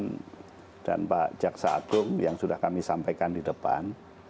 amanah presiden dan pak jaksa agung yang sudah kami sampaikan di depan